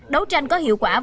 đấu tranh có hiệu quả